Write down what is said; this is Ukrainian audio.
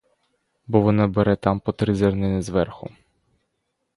Бо воно бере там по три зернини зверху.